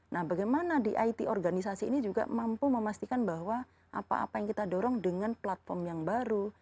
nah bagaimana di it organisasi ini juga mampu memastikan bahwa apa apa yang kita dorong dengan platform yang baru